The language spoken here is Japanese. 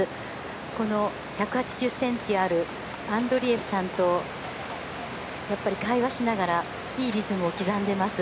この１８０ｃｍあるアンドレエフさんと会話しながらいいリズムを刻んでます。